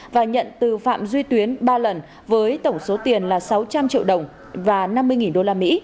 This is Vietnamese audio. và nhận từ phạm duy tuyến ba lần với tổng số tiền là sáu trăm linh triệu đồng và năm mươi usd